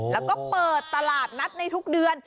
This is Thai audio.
แล้วก็เปิดตลาดนัดในทุกเดือน